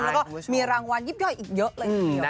แล้วก็มีรางวัลยิบย่อยอีกเยอะเลย